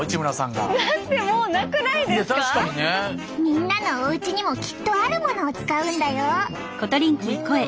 みんなのおうちにもきっとあるものを使うんだよ。